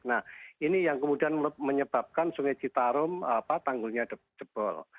nah ini yang kemudian menyebabkan sungai citarum tanggulnya jebol